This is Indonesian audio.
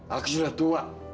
aku sudah tua